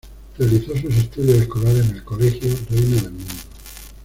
Realizó sus estudios escolares en el colegio Reina del Mundo.